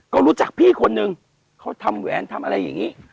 ก็รู้จักพี่คนนึงเขาทำแหวนทำอะไรอย่างนี้